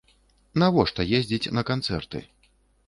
Навошта ездзіць на канцэрты?